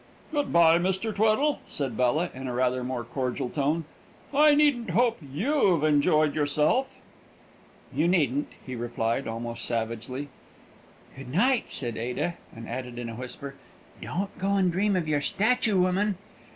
"Good bye, Mr. Tweddle," said Bella, in rather a more cordial tone; "I needn't hope you've enjoyed yourself!" "You needn't!" he replied, almost savagely. "Good night," said Ada; and added in a whisper, "Don't go and dream of your statue woman!"